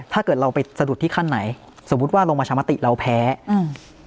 ถ้าเกิดเราไปสะดุดที่ขั้นไหนสมมุติว่าลงประชามติเราแพ้อืม